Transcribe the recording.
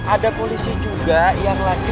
ada polisi juga yang lagi